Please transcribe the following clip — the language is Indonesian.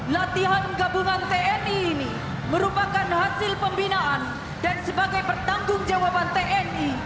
latihan gabungan tni ini merupakan hasil pembinaan dan sebagai pertanggung jawaban tni